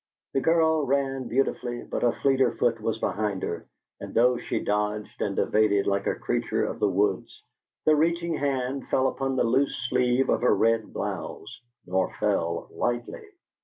The girl ran beautifully, but a fleeter foot was behind her, and though she dodged and evaded like a creature of the woods, the reaching hand fell upon the loose sleeve of her red blouse, nor fell lightly.